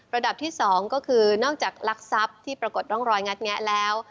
ระดับที่๒ก็คือนอกจากลักทรัพย์ที่ปรากฏร่องรอยงัดแงะแล้ว